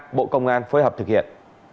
cảnh sát điều tra bộ công an phối hợp thực hiện